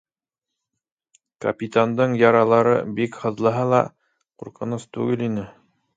Капитандың яралары, бик һыҙлаһа ла, ҡурҡыныс түгел ине.